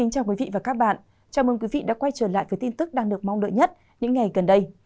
chào mừng quý vị đã quay trở lại với tin tức đang được mong đợi nhất những ngày gần đây